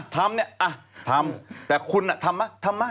แต่แบบอ่ะทำอะอ่ะ